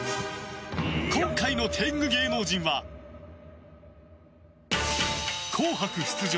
今回の天狗芸能人は「紅白」出場。